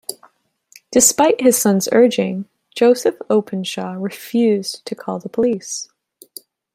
Despite his son's urging, Joseph Openshaw refused to call the police.